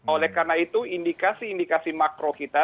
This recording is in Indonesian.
oleh karena itu indikasi indikasi makro kita